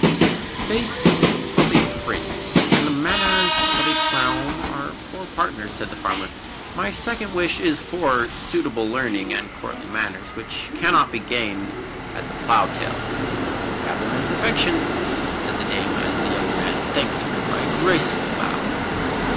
"The face of a prince and the manners of a clown are poor partners," said the farmer. "My second wish is for suitable learning and courtly manners, which cannot be gained at the plough tail." "You have them in perfection," said the Dame, as the young man thanked her by a graceful bow.